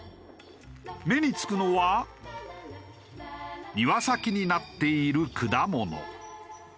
目につくのは庭先になっている果物。